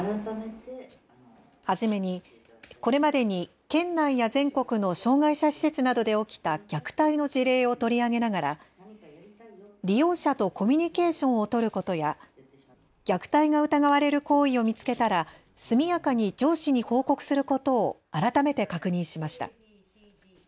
初めにこれまでに県内や全国の障害者施設などで起きた虐待の事例を取り上げながら利用者とコミュニケーションを取ることや虐待が疑われる行為を見つけたら速やかに上司に報告することを改めて確認しました。